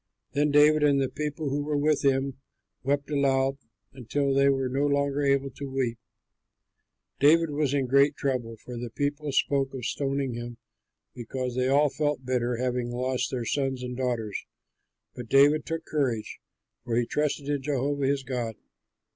Then David and the people who were with him wept aloud until they were no longer able to weep. David was in great trouble, for the people spoke of stoning him, because they all felt bitter, having lost their sons and daughters: but David took courage, for he trusted in Jehovah his God.